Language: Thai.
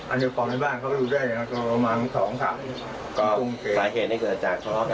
อันนี้บอกในบ้านเขาไม่รู้ได้นะก็มา๒ครับ